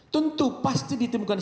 tentu pasti ditemukan